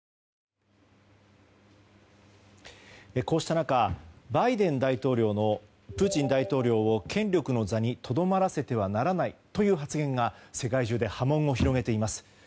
こうした中バイデン大統領のプーチン大統領を権力の座にとどまらせてはならないという発言が世界中で波紋を広げています。